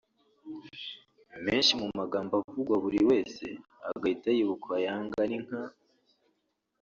Menshi mu magambo avugwa buri wese agahita yibuka Yanga ni nka